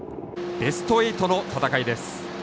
ベスト８の戦いです。